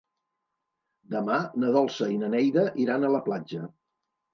Demà na Dolça i na Neida iran a la platja.